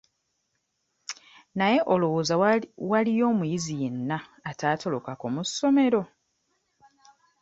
Naye olowooza waaliyo omuyizi yenna ataatolokako mu ssomero?